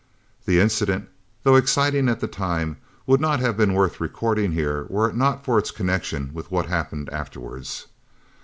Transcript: This incident, though exciting at the time, would not have been worth recording here were it not for its connection with what happened afterwards.